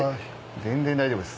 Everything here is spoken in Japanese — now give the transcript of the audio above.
全然大丈夫です。